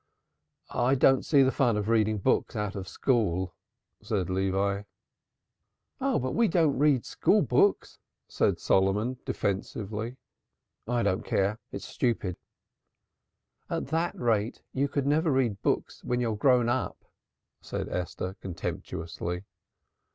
"I don't see the fun of reading books out of school," said Levi. "Oh, but we don't read school books," said Solomon defensively. "I don't care. It's stupid." "At that rate you could never read books when you're grown up," said Esther contemptuously.